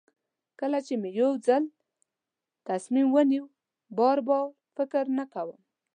کله چې مې یو ځل تصمیم ونیو بار بار فکر نه کوم.